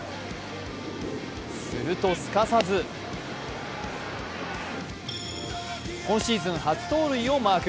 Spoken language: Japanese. すると、すかさず今シーズン初盗塁をマーク。